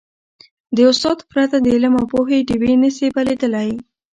د استاد پرته، د علم او پوهې ډېوي نه سي بلېدلی.